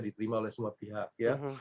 diterima oleh semua pihak